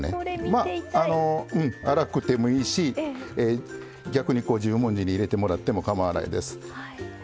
まあ粗くてもいいし逆に十文字に入れてもらってもかまわないです。